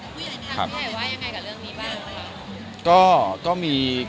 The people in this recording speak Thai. พูดอย่างง่ายว่ายังไงกับเรื่องนี้บ้าง